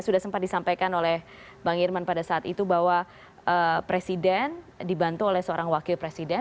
sudah sempat disampaikan oleh bang irman pada saat itu bahwa presiden dibantu oleh seorang wakil presiden